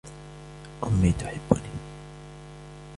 أمي تحبني.